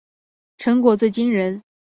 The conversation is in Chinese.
成果最惊人